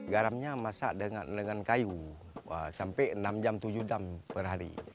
garamnya masak dengan kayu sampai enam jam tujuh jam per hari